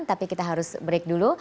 tapi kita harus break dulu